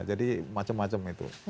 jadi macam macam itu